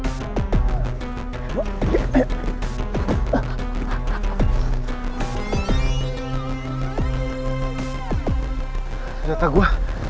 sudah tak gua